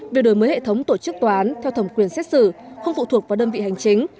về đổi mới hệ thống tổ chức tòa án theo thẩm quyền xét xử không phụ thuộc vào đơn vị hành chính